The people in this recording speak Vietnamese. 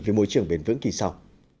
vì môi trường bền vững kỳ sau